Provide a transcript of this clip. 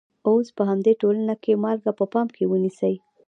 اوس په همدې ټولنه کې مالګه په پام کې ونیسئ.